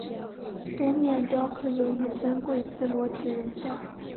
东面雕刻有一尊跪姿裸体人像。